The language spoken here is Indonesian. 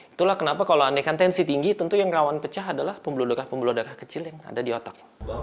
itulah kenapa kalau anekan tensi tinggi tentu yang rawan pecah adalah pembuluh darah pembuluh darah kecil yang ada di otak